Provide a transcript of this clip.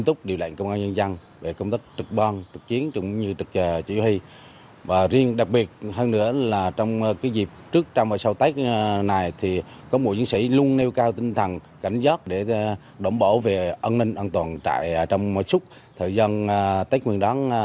thực hiện nghiêm túc điều lệnh công an